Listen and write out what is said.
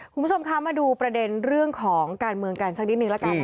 คุณผู้ชมคะมาดูประเด็นเรื่องของการเมืองกันสักนิดนึงละกัน